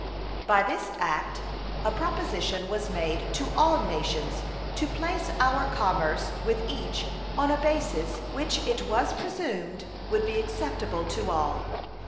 By this act a proposition was made to all nations to place our commerce with each on a basis which it was presumed would be acceptable to all.